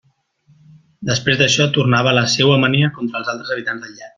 Després d'això tornava a la seua mania contra els altres habitants del llac.